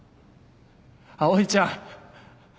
葵ちゃん！